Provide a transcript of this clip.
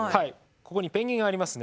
ここにペンギンありますね。